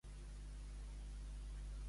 Ser un tomany.